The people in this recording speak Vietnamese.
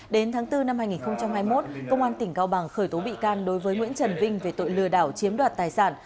đến tháng bốn năm hai nghìn hai mươi một công an tỉnh cao bằng khởi tố bị can đối với nguyễn trần vinh về tội lừa đảo chiếm đoạt tài sản